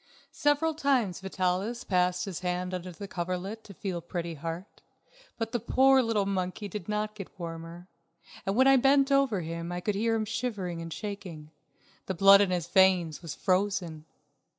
Several times Vitalis passed his hand under the coverlet to feel Pretty Heart, but the poor little monkey did not get warmer, and when I bent over him I could hear him shivering and shaking. The blood in his veins was frozen.